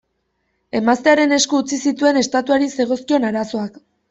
Emaztearen esku utzi zituen estatuari zegozkion arazoak.